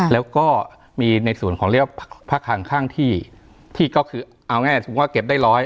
แล้วก็มีในส่วนของเรียกว่าผ้าขังข้างที่ก็คือเอาง่ายสมมุติว่าเก็บได้ร้อย